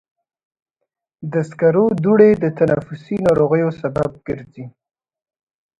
د سکرو دوړې د تنفسي ناروغیو سبب ګرځي.